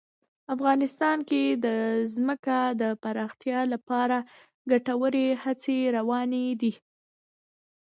افغانستان کې د ځمکه د پرمختګ لپاره ګټورې هڅې روانې دي.